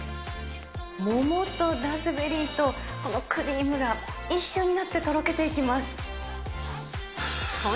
桃とラズベリーとこのクリームが一緒になってとろけていきます。